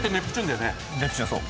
ネプチューンそう。